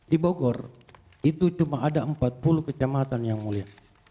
di bogor itu cuma ada empat puluh kecamatan yang mulia